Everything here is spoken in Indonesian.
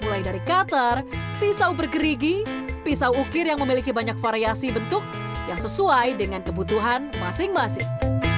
mulai dari cutter pisau bergerigi pisau ukir yang memiliki banyak variasi bentuk yang sesuai dengan kebutuhan masing masing